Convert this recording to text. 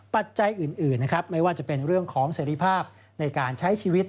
ปัจจัยอื่นนะครับไม่ว่าจะเป็นเรื่องของเสรีภาพในการใช้ชีวิต